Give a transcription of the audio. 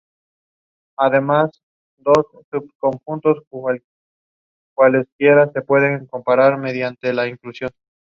Se usa paridad par.